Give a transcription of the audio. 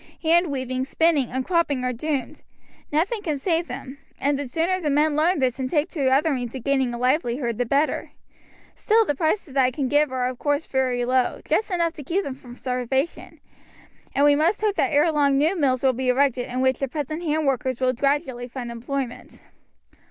Hand weaving, spinning, and cropping are doomed. Nothing can save them, and the sooner the men learn this and take to other means of gaining a livelihood the better. Still the prices that I can give are of course very low, just enough to keep them from starvation, and we must hope that ere long new mills will be erected in which the present hand workers will gradually find employment."